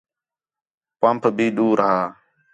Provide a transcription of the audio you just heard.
پمپ بھی دُور ہا